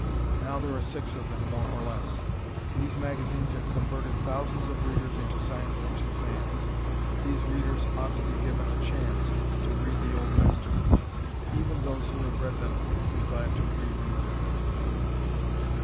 Now there are six of them, more or less. These magazines have converted thousands of readers into Science Fiction fans. These readers ought to be given a chance to read the old masterpieces. Even those who have read them would be glad to reread them.